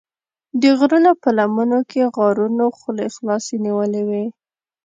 د غرونو په لمنو کې غارونو خولې خلاصې نیولې وې.